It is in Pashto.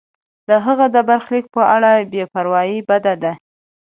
د هغه د برخلیک په اړه بې پروایی بده ده.